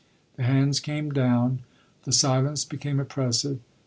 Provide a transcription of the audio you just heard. The hands came down, the silence became oppressive.